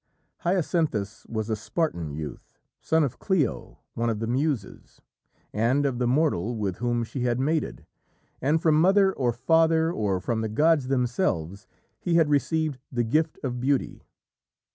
Hyacinthus was a Spartan youth, son of Clio, one of the Muses, and of the mortal with whom she had mated, and from mother, or father, or from the gods themselves, he had received the gift of beauty.